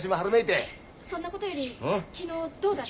そんなことより昨日どうだった？